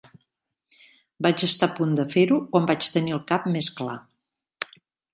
Vaig estar a punt de fer-ho quan vaig tenir el cap més clar.